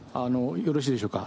よろしいでしょうか。